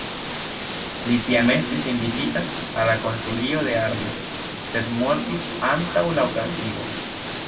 Li tiam estis invitita al la Konsilio de Arles sed mortis antaŭ la okazigo.